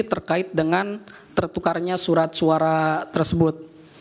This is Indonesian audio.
terkait dengan tertukarnya surat suara tersebut